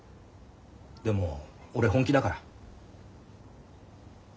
でも俺本気だから。